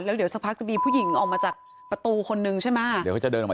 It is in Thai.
แล้วเดี๋ยวสักพักจะมีผู้หญิงออกมาจากประตูคนนึงใช่ไหม